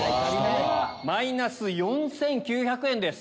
マイナス４９００円です。